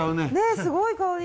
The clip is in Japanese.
すごい香り！